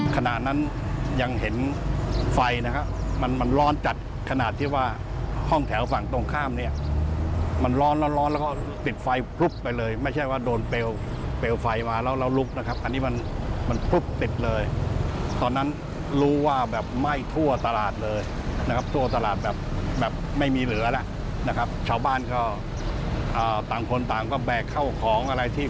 ขณะนั้นยังเห็นไฟนะครับมันมันร้อนจัดขนาดที่ว่าห้องแถวฝั่งตรงข้ามเนี่ยมันร้อนร้อนแล้วก็ปิดไฟพลุบไปเลยไม่ใช่ว่าโดนเปลวเปลวไฟมาแล้วแล้วลุกนะครับอันนี้มันมันพลึบติดเลยตอนนั้นรู้ว่าแบบไหม้ทั่วตลาดเลยนะครับทั่วตลาดแบบแบบไม่มีเหลือแล้วนะครับชาวบ้านก็อ่าต่างคนต่างก็แบกเข้าของอะไรที่